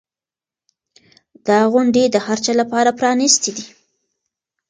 دا غونډې د هر چا لپاره پرانیستې دي.